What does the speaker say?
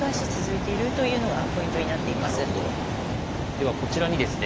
ではこちらにですね